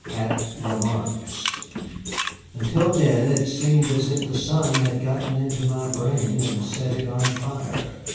AT LAMARQUE'S Until then it seemed as if the sun had gotten into my brain and set it on fire.